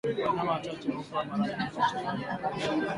Wanyama wachache hufa mara nyingi chini ya wale walioathirika